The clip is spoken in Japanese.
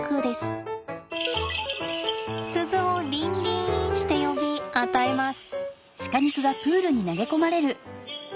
鈴をリンリンして呼び与えます。